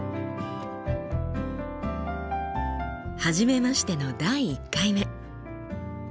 初めましての第１回目。